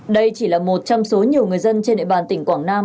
đây chỉ là một trong số nhiều người dân trên địa bàn tỉnh quảng nam